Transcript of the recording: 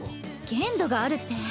限度があるって。